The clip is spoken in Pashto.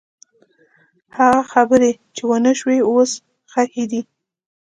هغه خبرې چې ونه شوې، اوس ښخې دي.